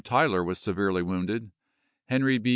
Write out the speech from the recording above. Tyler was severely wounded, Henry B.